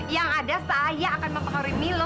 yang ada saya akan mempengaruhi milo